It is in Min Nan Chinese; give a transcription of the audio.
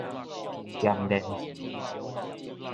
鹹鰱魚